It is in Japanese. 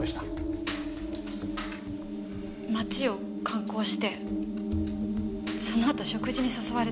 街を観光してそのあと食事に誘われて。